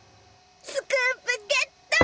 スクープゲット！